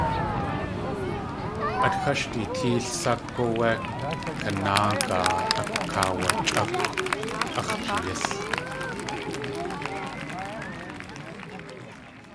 At xáshdi téel sákw áwé kanágaa akaawachʼákʼw ax̲ jeeyís.